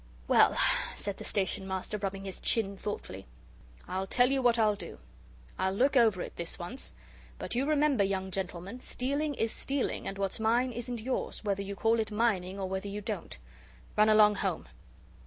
"Well," said the Station Master, rubbing his chin thoughtfully, "I'll tell you what I'll do. I'll look over it this once. But you remember, young gentleman, stealing is stealing, and what's mine isn't yours, whether you call it mining or whether you don't. Run along home."